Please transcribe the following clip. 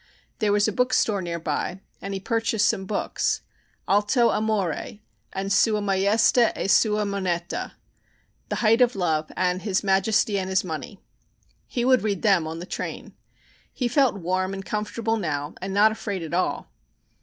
There was a bookstore near by and he purchased some books "Alto Amore" and "Sua Maestá e Sua Moneta" ("The Height of Love" and "His Majesty and His Money"). He would read them on the train. He felt warm and comfortable now and not afraid at all.